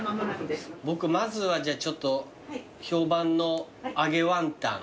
僕まずはじゃあちょっと評判の揚げワンタン。